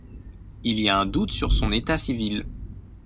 Il y a un doute sur son état civil.